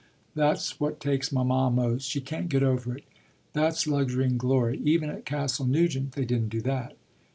That's what takes mamma most: she can't get over it. That's luxury and glory; even at Castle Nugent they didn't do that.